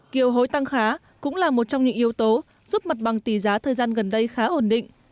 kiều hối tăng khá cũng là một trong những yếu tố giúp mặt bằng tỷ giá thời gian gần đây khá ổn định